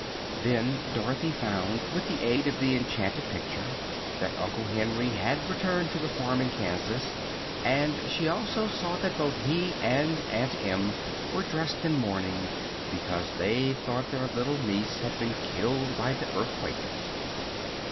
Then Dorothy found, with the aid of the enchanted picture, that Uncle Henry had returned to the farm in Kansas, and she also saw that both he and Aunt Em were dressed in mourning, because they thought their little niece had been killed by the earthquake.